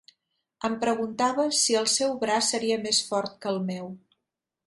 Em preguntava si el seu braç seria més fort que el meu